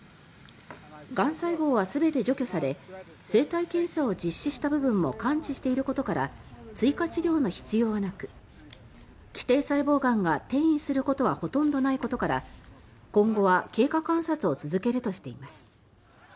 がん細胞は全て除去され生体検査を実施した部分も完治していることから追加治療の必要はなく基底細胞がんが転移することはほとんどないことから今後は経過観察を続けるとしています。